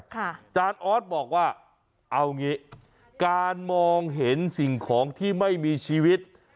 อาจารย์ออสบอกว่าเอางี้การมองเห็นสิ่งของที่ไม่มีชีวิต